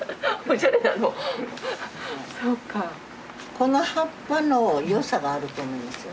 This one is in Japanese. この葉っぱの良さがあると思いますよ。